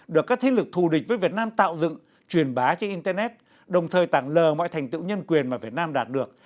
được các thế lực thù địch với việt nam tạo dựng truyền bá trên internet đồng thời tảng lờ mọi thành tựu nhân quyền mà việt nam đạt được